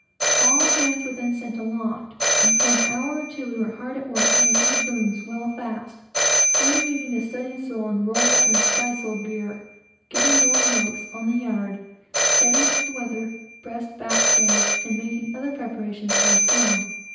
All hands were then sent aloft, and for an hour or two we were hard at work, making the booms well fast; unreeving the studding sail and royal and skysail gear; getting rolling ropes on the yards; setting up the weather breast backstays; and making other preparations for a storm.